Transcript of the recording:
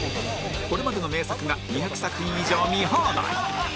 これまでの名作が２００作品以上見放題！